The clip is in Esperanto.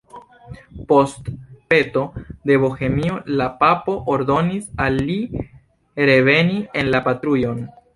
Post peto de Bohemio la papo ordonis al li reveni en la patrujon.